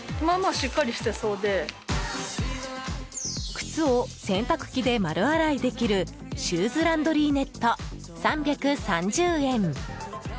靴を洗濯機で丸洗いできるシューズランドリーネット３３０円。